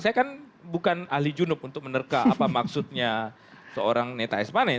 saya kan bukan ahli junuk untuk menerka apa maksudnya seorang neta espane